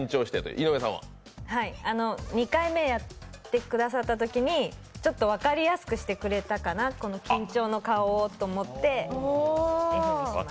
２回目やってくださったときにちょっと分かりやすくしてくれたかな、緊張の顔をと思ってＦにしました。